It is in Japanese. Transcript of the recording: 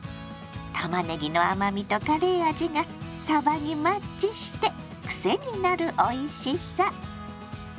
たまねぎの甘みとカレー味がさばにマッチしてクセになるおいしさ！